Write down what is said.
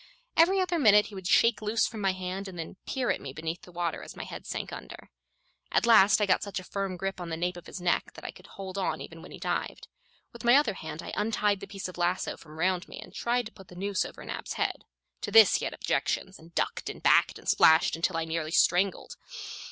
Every other minute he would shake loose from my hand and then peer at me beneath the water as my head sank under. At last I got such a firm grip on the nape of his neck that I could hold on even when he dived. With my other hand I untied the piece of lasso from round me and tried to put the noose over Nab's head. To this he had objections, and ducked and backed and splashed until I nearly strangled.